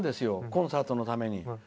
コンサートのために。